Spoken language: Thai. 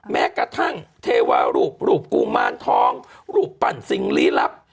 แม้กระทั่งเทวารูปรูปกุมารทองรูปปั่นสิ่งลี้ลับ